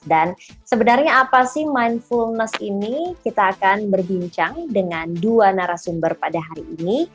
dan sebenarnya apa sih mindfulness ini kita akan berbincang dengan dua narasumber pada hari ini